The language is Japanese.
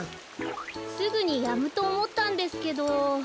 すぐにやむとおもったんですけど。